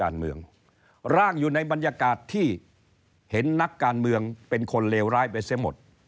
แต่ที่เห็นนักการเมืองเป็นคนเลวร้ายไปซะหมด